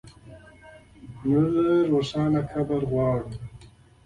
مړه ته روښانه قبر غواړو